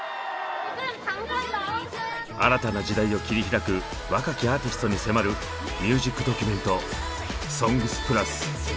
新たな時代を切り開く若きアーティストに迫るミュージックドキュメント「ＳＯＮＧＳ＋ＰＬＵＳ」。